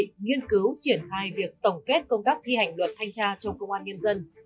nghiên cứu triển khai việc tổng kết công tác thi hành luật thanh tra trong công an nhân dân